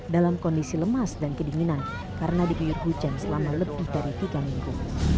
dalam kondisi lemas dan kedinginan karena diguyur hujan selama lebih dari tiga minggu